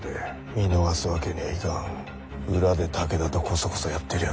見逃すわけにはいかん裏で武田とこそこそやってるやつを。